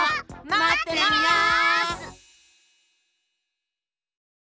まってます！